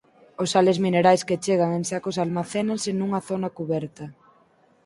Os sales minerais que chegan en sacos almacénanse nunha zona cuberta.